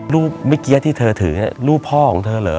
รูปเมื่อกี้ที่เธอถือรูปพ่อของเธอเหรอ